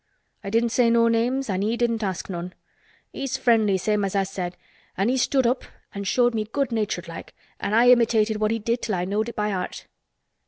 I didn't say no names an' he didn't ask none. He's friendly same as I said an' he stood up an' showed me good natured like, an' I imitated what he did till I knowed it by heart."